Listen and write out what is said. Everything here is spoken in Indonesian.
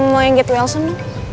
mau yang get wilson dong